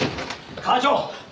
課長！